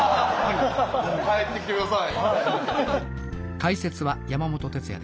帰ってきて下さい！